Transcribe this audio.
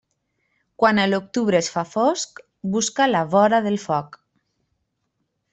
Quan a l'octubre es fa fosc, busca la vora del foc.